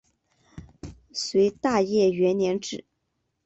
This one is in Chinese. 隋大业元年置。